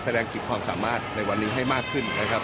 กิจความสามารถในวันนี้ให้มากขึ้นนะครับ